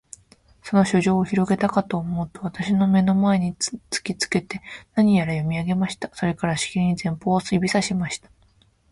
その書状をひろげたかとおもうと、私の眼の前に突きつけて、何やら読み上げました。それから、しきりに前方を指さしました。